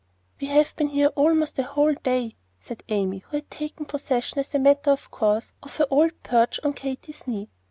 "We have been here almost a whole day," said Amy, who had taken possession, as a matter of course, of her old perch on Katy's knee.